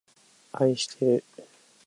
あいしてる